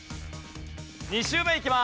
２周目いきます！